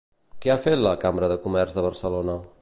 Què ha fet la Cambra de Comerç de Barcelona?